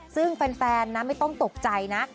ซึ่งแฟนนะไม่ต้องตกใจนะ